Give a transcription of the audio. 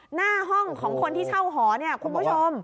หน้าห้องของคนที่เช่าหอเนี่ยคุณผู้ชม